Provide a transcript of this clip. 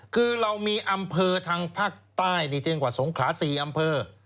คือเรามีอำเภอทางภาคใต้นี่เพียงกว่าสงขลา๔อำเภอ